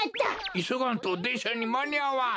いそがんとでんしゃにまにあわん。